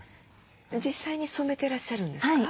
実際に染めてらっしゃるんですか？